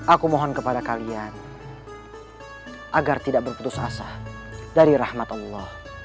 aku mohon kepada kalian agar tidak berputus asah dari rahmat allah